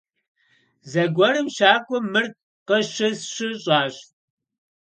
Зэгуэрым щакӀуэм мыр къыщысщыщӀащ.